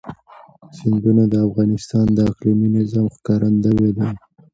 سیندونه د افغانستان د اقلیمي نظام ښکارندوی ده.